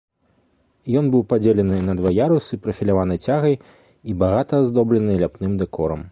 Ён быў падзелены на два ярусы прафіляванай цягай і багата аздоблены ляпным дэкорам.